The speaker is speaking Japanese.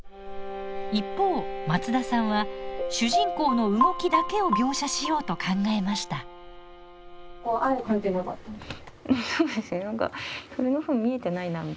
一方松田さんは主人公の動きだけを描写しようと考えました。